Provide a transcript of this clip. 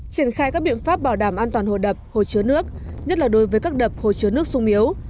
triển khai các biện pháp bảo đảm an toàn hồ đập hồ chứa nước nhất là đối với các đập hồ chứa nước sung yếu